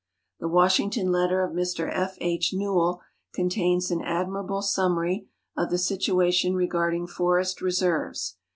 The Washington letter of Mr F. H. Newell contains an ad mirable summary of the situation regarding forest reserves.